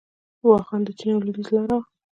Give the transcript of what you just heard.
واخان د چین او لویدیځ لاره وه